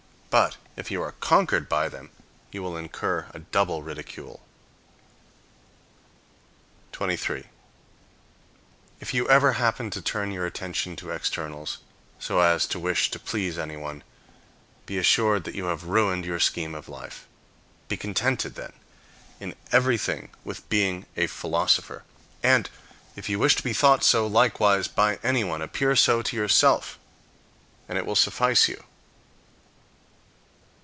But if you are conquered by them, you will incur a double ridicule. 23. If you ever happen to turn your attention to externals, so as to wish to please anyone, be assured that you have ruined your scheme of life. Be contented, then, in everything with being a philosopher; and, if you wish to be thought so likewise by anyone, appear so to yourself, and it will suffice you.